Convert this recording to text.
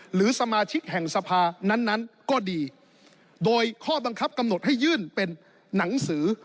หรือสมาชิกแห่งสภานั้นนั้นก็ดีโดยข้อบังคับกำหนดให้ยื่นเป็นหนังสือ